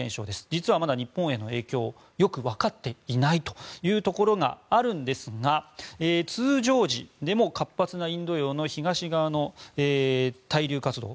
実はまだ日本への影響はよくわかっていないというところがあるんですが通常時でも活発なインド洋の東側の対流活動